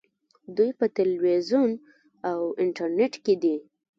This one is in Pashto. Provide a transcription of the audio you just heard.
دوی په تلویزیون او انټرنیټ کې دي.